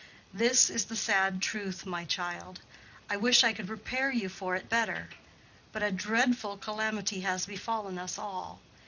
This is the sad truth, my child—I wish I could prepare you for it better—but a dreadful calamity has befallen us all.